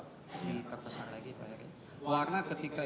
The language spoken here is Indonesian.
diperbesar lagi pak yari warna ketika